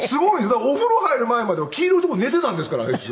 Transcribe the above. だからお風呂入る前までは黄色いとこで寝てたんですからあいつ。